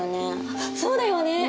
あっそうだよね！